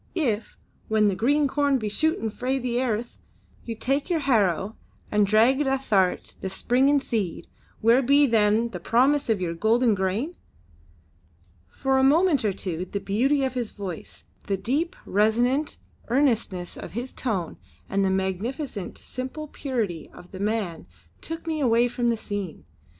If, when the green corn be shootin' frae the airth, you take your harrow and drag it ath'art the springin' seed, where be then the promise of your golden grain?" For a moment or two the beauty of his voice, the deep, resonant, earnestness of his tone and the magnificent, simple purity of the man took me away from the scene.